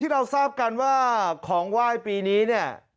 เราทราบกันว่าของไหว้ปีนี้เนี่ย